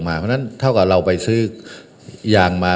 เพราะฉะนั้นเท่ากับเราไปซื้อยางมา